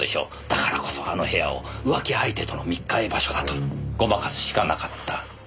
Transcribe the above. だからこそあの部屋を浮気相手との密会場所だとごまかすしかなかった。